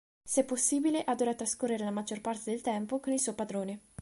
Se possibile adora trascorrere la maggior parte del tempo con il suo padrone.